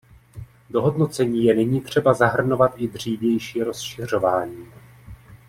Do hodnocení je nyní třeba zahrnovat i dřívější rozšiřování.